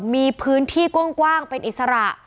มีพื้นที่กว้างเป็นอิสระ